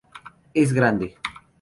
Es grande